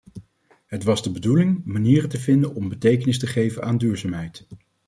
Het was de bedoeling manieren te vinden om betekenis te geven aan duurzaamheid.